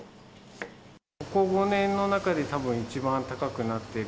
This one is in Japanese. ここ５年の中でたぶん一番高くなっている。